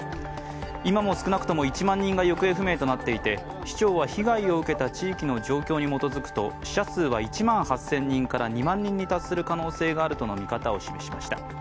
今も少なくとも１万人が行方不明となっていて市長は被害を受けた地域の状況に基づくと死者数は１万８０００人から２万人に達する可能性があるとの見方を示しました。